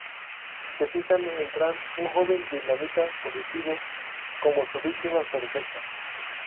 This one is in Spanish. Se fijan en Tran, un joven vietnamita fugitivo, como su víctima perfecta.